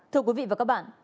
thưa quý vị và các bạn